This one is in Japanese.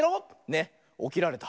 ねおきられた。